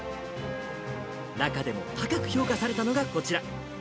中でも高く評価されたのがこちら。